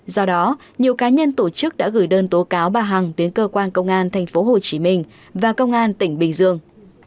do đó nhiều cá nhân tổ chức đã gửi đơn tố cáo bà hằng đến cơ quan công an tp hcm và công an tỉnh bình dương